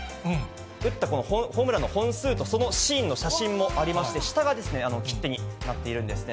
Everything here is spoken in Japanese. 打ったこのホームランの本数と、そのシーンの写真もありまして、下が切手になっているんですね。